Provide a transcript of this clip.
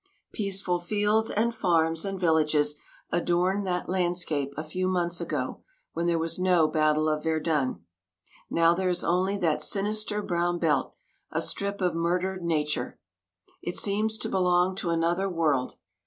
Peaceful fields and farms and villages adorned that landscape a few months ago when there was no Battle of Verdun. Now there is only that sinister brown belt, a strip of murdered Nature. It seems to belong to another world.